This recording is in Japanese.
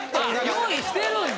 用意してるんだ。